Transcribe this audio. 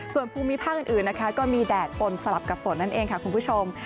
ส่วนภูมิภาคอื่นนะคะก็มีแดดปนสลับกับฝนนั่นเองค่ะคุณผู้ชม